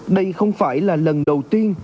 đây không phải là lần đầu tiên